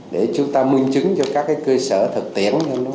để chúng ta mưu chứng cho các cái cơ sở thực tiễn